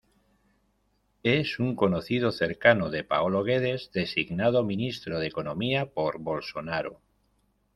Es un conocido cercano de Paulo Guedes, designado ministro de Economía por Bolsonaro.